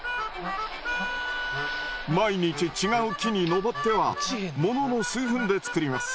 毎日違う木に登ってはものの数分で作ります。